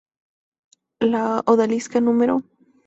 La odalisca No.